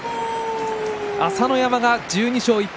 朝乃山が１２勝１敗